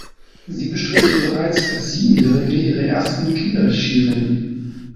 Sie bestritt bereits als Siebenjährige ihre ersten Kinder-Skirennen.